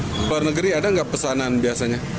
di luar negeri ada nggak pesanan biasanya